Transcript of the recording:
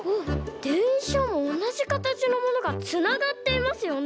でんしゃもおなじかたちのものがつながっていますよね。